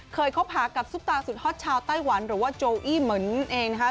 คบหากับซุปตาสุดฮอตชาวไต้หวันหรือว่าโจอี้เหมือนเองนะคะ